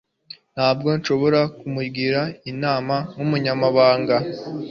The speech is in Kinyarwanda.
Ntabwo nshobora kumugira inama nkumunyamabanga.